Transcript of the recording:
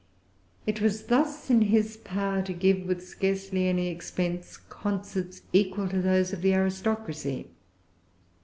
It was thus in his power to give, with scarcely any expense, concerts equal to those of the aristocracy.